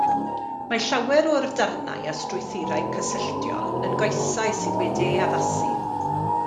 Mae llawer o'r darnau a strwythurau cysylltiol yn goesau sydd wedi eu haddasu.